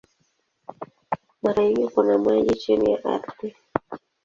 Mara nyingi kuna maji chini ya ardhi.